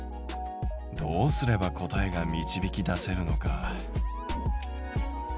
どうすれば答えが導き出せるのか。